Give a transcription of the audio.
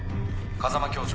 風間教場